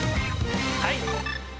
はい。